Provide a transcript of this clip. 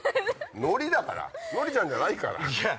のりだからノリちゃんじゃないから。